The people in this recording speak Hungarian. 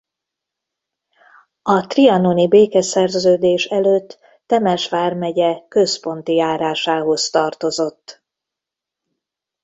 A trianoni békeszerződés előtt Temes vármegye Központi járásához tartozott.